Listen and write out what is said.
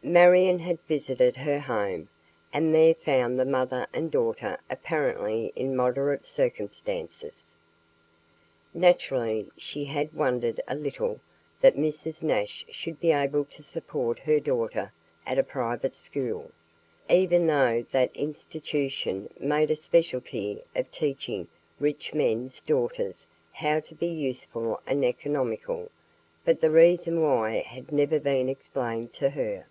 Marion had visited her home, and there found the mother and daughter apparently in moderate circumstances. Naturally, she had wondered a little that Mrs. Nash should be able to support her daughter at a private school, even though that institution made a specialty of teaching rich men's daughters how to be useful and economical, but the reason why had never been explained to her.